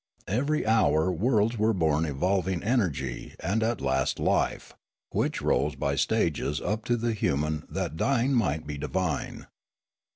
Every hour worlds were born evolving energy and at last life, which rose by stages up to the human that dying might be divine.